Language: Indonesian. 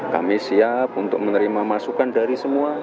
kami siap untuk menerima masukan dari semua